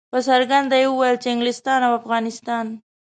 په څرګنده یې ویل چې انګلستان او افغانستان.